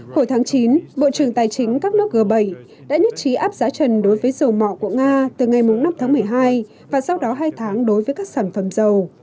hồi tháng chín bộ trưởng tài chính các nước g bảy đã nhất trí áp giá trần đối với dầu mỏ của nga từ ngày năm tháng một mươi hai và sau đó hai tháng đối với các sản phẩm dầu